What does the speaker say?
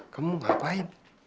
kamu mau ngapain